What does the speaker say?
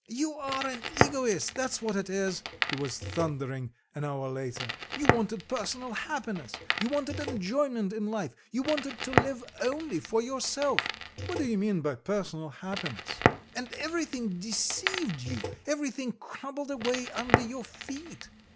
"You are an egoist, that's what it is!" he was thundering an hour later: "you wanted personal happiness, you wanted enjoyment in life, you wanted to live only for yourself." "What do you mean by personal happiness?" "And everything deceived you; everything crumbled away under your feet."